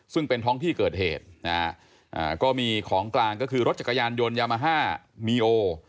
ซึ่งเป็นท้องที่เกิดเหตุนะฮะก็มีของกลางก็คือรถจักรยานยนต์ยามาฮ่ามีโอ